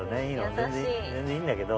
全然いいんだけど。